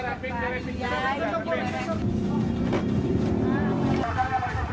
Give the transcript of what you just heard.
tapi kita juga rapi